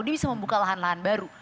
dia bisa membuka lahan lahan baru